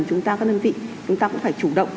chúng ta các đơn vị cũng phải chủ động